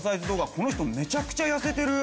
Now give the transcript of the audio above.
この人めちゃくちゃ痩せてる。